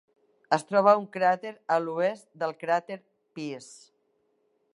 Es troba un cràter a l'oest del cràter Pease.